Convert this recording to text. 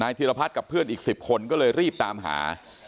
ธิรพัฒน์กับเพื่อนอีก๑๐คนก็เลยรีบตามหา